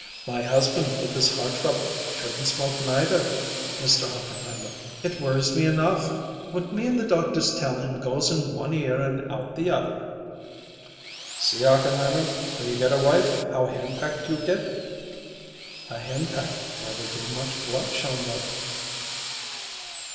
"My husband, with his heart trouble, shouldn't smoke, neither, Mr. Hochenheimer; it worries me enough. What me and the doctors tell him goes in one ear and out of the other." "See, Hochenheimer, when you get a wife how henpecked you get!" "A henpeck never drew much blood, Shongut."